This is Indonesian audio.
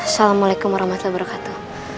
assalamualaikum warahmatullahi wabarakatuh